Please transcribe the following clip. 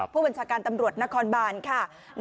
ผู้บัญชาการตำรวจนครบานค่ะ